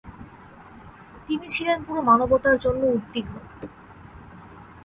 তিনি ছিলেন পুরো মানবতার জন্য উদ্বিগ্ন।